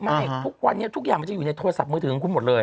ทุกวันนี้ทุกอย่างมันจะอยู่ในโทรศัพท์มือถือของคุณหมดเลย